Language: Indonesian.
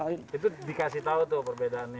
itu dikasih tahu tuh perbedaannya